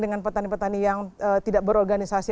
dengan petani petani yang tidak berorganisasi